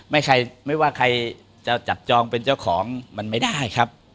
ใครไม่ว่าใครจะจับจองเป็นเจ้าของมันไม่ได้ครับ